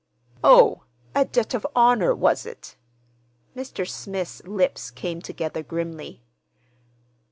"Oh! A debt of honor, was it?" Mr. Smith's lips came together grimly.